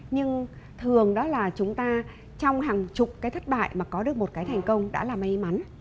nhưng thường đó là chúng ta trong hàng chục cái thất bại mà có được một cái thành công đã là may mắn